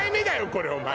これお前